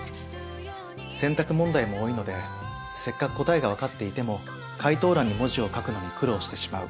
選択問題も多いのでせっかく答えがわかっていても解答欄に文字を書くのに苦労してしまう。